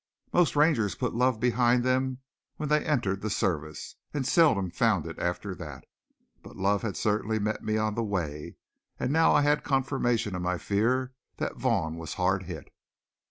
Most Rangers put love behind them when they entered the Service and seldom found it after that. But love had certainly met me on the way, and I now had confirmation of my fear that Vaughn was hard hit.